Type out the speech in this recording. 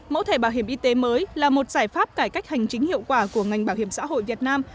mẫu thẻ bảo hiểm y tế mới là một giải pháp cải cách hành chính hiệu quả của ngành bảo hiểm xã hội việt nam